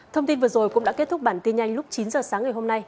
thông tin vừa rồi cũng đã kết thúc bản tin nhanh lúc chín giờ sáng ngày hôm nay